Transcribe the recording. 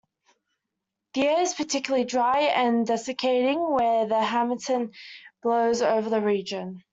The air is particularly dry and desiccating when the Harmattan blows over the region.